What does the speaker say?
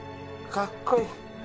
かっこいい。